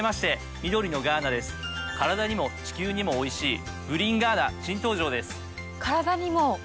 カラダにも地球にもおいしいグリーンガーナ新登場です。